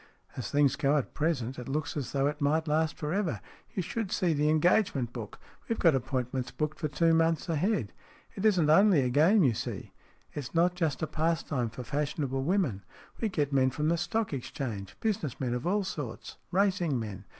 " As things go at present, it looks as though it might last for ever. You should see the engage ment book. We've got appointments booked for two months ahead. It isn't only a game you see. It's not just a pastime for fashionable women. We get men from the Stock Exchange, business men of all sorts, racing men.